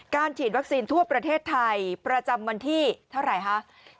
ฉีดวัคซีนทั่วประเทศไทยประจำวันที่เท่าไหร่คะ